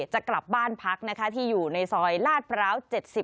จะกลับบ้านพักนะคะที่อยู่ในซอยลาดพร้าว๗๐